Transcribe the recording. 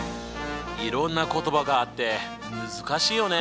いろんな言葉があって難しいよね。